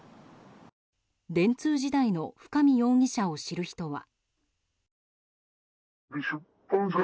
電通時代の深見容疑者を知る人は。